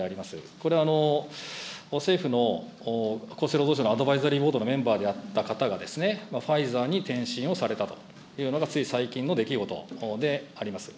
これは政府の、厚生労働省のアドバイザリーボードのメンバーであった方が、ファイザーに転身をされたというのが、つい最近の出来事であります。